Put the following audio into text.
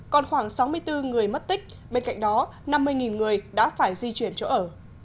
còn khoảng sáu mươi bốn người mất tích bên cạnh đó năm mươi người đã phải di chuyển chỗ ở